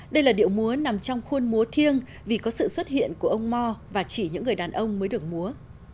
đây là điệu múa nằm trong khuôn múa thiêng vì có sự xuất hiện của ông mò và chỉ những người đàn ông mới được múa